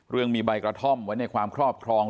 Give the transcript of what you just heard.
มีใบกระท่อมไว้ในความครอบครอง